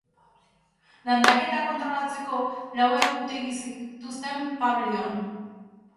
Landaketa kontrolatzeko lau egutegi zituzten pabiloian.